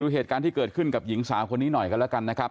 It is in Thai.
เหตุการณ์ที่เกิดขึ้นกับหญิงสาวคนนี้หน่อยกันแล้วกันนะครับ